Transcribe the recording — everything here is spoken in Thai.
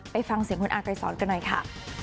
ไปฟังเสียงคุณอากายสอนกันหน่อยค่ะ